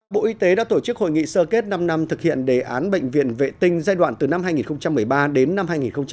bộ y tế đã tổ chức hội nghị sơ kết năm năm thực hiện đề án bệnh viện vệ tinh giai đoạn từ năm hai nghìn một mươi ba đến năm hai nghìn một mươi chín